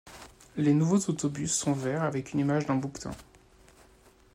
Les nouveaux autobus sont verts avec une image d'un bouquetin.